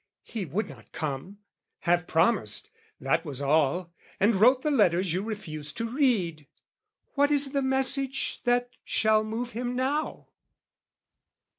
"He would not come: half promised, that was all, "And wrote the letters you refused to read. "What is the message that shall move him now?